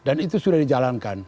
dan itu sudah dijalankan